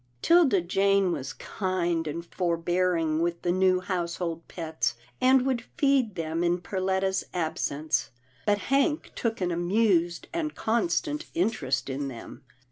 *Tilda Jane was kind and forbearing with the new household pets, and would feed them in Per GRAMPA'S DREAM 238 letta's absence, but Hank took an amused and constant interest in them.